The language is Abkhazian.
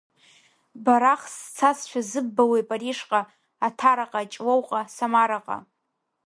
Барах сцазшәа зыббалои Парижҟа, Аҭараҟа, Ҷлоуҟа, Самараҟа…